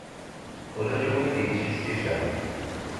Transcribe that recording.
Ulac win i d-yettḥessisen.